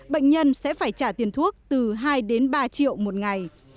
bệnh nhân sẽ phải trả tiền thuốc từ hai đến ba triệu một ngày